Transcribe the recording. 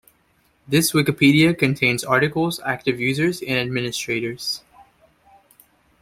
This Wikipedia contains articles, active users, and administrators.